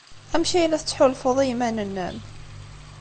Amek ay la tettḥulfuḍ i yiman-nnem?